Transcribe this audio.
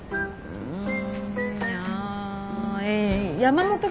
うん。